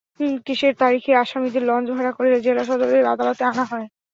কেসের তারিখে আসামিদের লঞ্চ ভাড়া করে জেলা সদরের আদালতে আনা হয়।